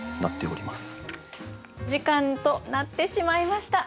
お時間となってしまいました。